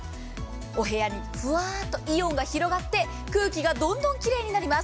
お部屋にふわっとイオンが広がって空気がどんどんきれいになります。